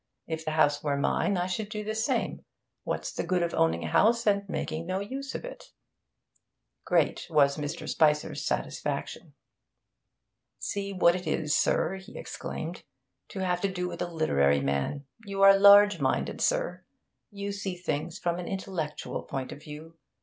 If the house were mine, I should do the same. What's the good of owning a house, and making no use of it?' Great was Mr. Spicer's satisfaction. 'See what it is, sir,' he exclaimed, 'to have to do with a literary man! You are large minded, sir; you see things from an intellectual point of view.